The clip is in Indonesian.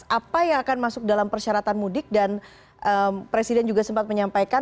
apa yang akan masuk dalam persyaratan mudik dan presiden juga sempat menyampaikan